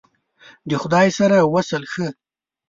د خدای سره وصل ښه !